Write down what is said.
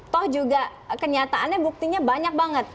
toh juga kenyataannya buktinya banyak banget